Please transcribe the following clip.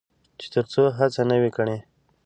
چې تر څو هڅه نه وي کړې.